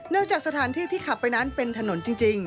จากสถานที่ที่ขับไปนั้นเป็นถนนจริง